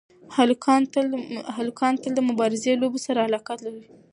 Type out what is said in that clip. هلکان تل د مبارزې لوبو سره علاقه لري.